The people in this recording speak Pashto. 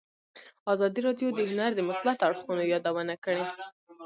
ازادي راډیو د هنر د مثبتو اړخونو یادونه کړې.